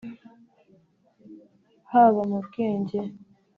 haba mu bwenge